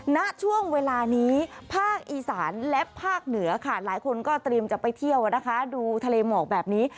ณช่วงเวลานี้ภาคอีสานและภาคเหนือค่ะหลายคนก็เตรียมจะไปเที่ยวนะคะดูทะเลหมอกแบบนี้